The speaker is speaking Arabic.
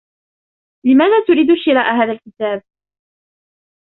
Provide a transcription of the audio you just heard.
لماذا تريد شراء هذا الكتاب؟